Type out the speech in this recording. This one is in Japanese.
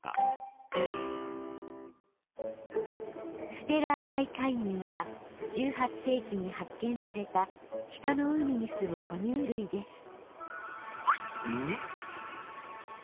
ステラーダイカイギュウは１８世紀に発見された北の海にすむほ乳類ですん？